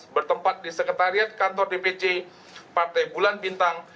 bertempat di sekretariat kantor dpc partai bulan bintang